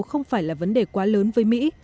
không phải là vấn đề quá lớn với mỹ